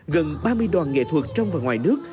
gần ba mươi đoàn nghệ thuật trong và ngoài nước